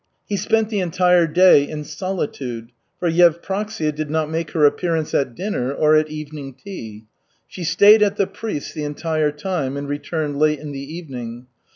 He spent the entire day in solitude, for Yevpraksia did not make her appearance at dinner or at evening tea. She stayed at the priest's the entire time and returned late in the evening.